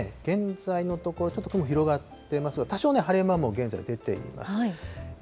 現在のところ、ちょっと雲広がってますが、多少、晴れ間も現在出ています。